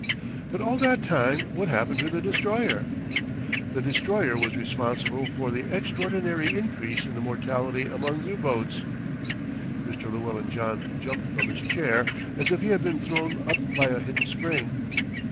"But all that time what happened to the Destroyer?" "The Destroyer was responsible for the extraordinary increase in the mortality among U boats." Mr. Llewellyn John jumped from his chair as if he had been thrown up by a hidden spring.